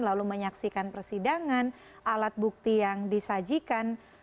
lalu menyaksikan persidangan alat bukti yang disajikan